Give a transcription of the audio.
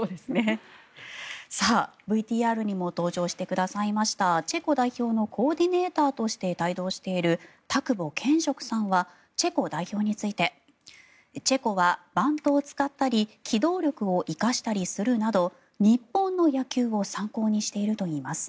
ＶＴＲにも登場してくださいましたチェコ代表のコーディネーターとして帯同している田久保賢植さんはチェコ代表についてチェコはバントを使ったり機動力を生かしたりするなど日本の野球を参考にしているといいます。